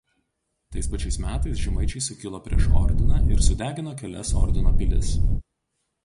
Tais pačiais metais žemaičiai sukilo prieš ordiną ir sudegino kelias Ordino pilis.